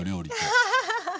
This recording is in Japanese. アハハハ！